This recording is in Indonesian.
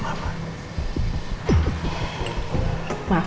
makanya udah berubah